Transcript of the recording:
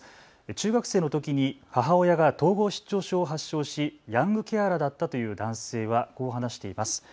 中学生のときに母親が統合失調症を発症しヤングケアラーだったという男性は、こう話しています。